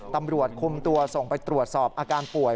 ตำรวจคุมตัวส่งไปตรวจสอบอาการป่วย